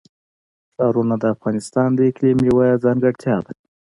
ښارونه د افغانستان د اقلیم یوه ځانګړتیا ده.